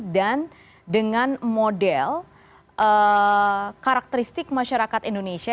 dan dengan model karakteristik masyarakat indonesia